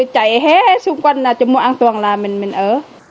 chạy hết xung quanh là trong mùa an toàn là mình ở